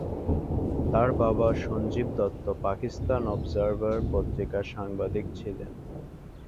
তার বাবা সঞ্জীব দত্ত 'পাকিস্তান অবজারভার' পত্রিকার সাংবাদিক ছিলেন।